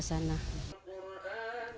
pasti ada kesana